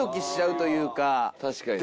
確かにね。